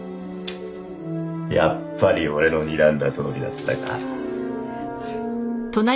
やっぱり俺のにらんだとおりだったか。